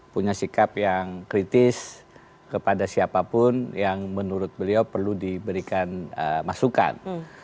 punya sikap yang kritis kepada siapapun yang menurut beliau perlu diberikan masukan